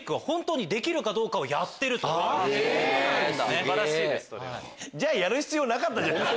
素晴らしいです。